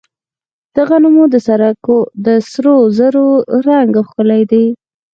د غنمو د سرو زرو رنګ ښکلی دی.